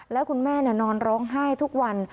แล้วคุณแม่นอนร้องไห้ทุกวัน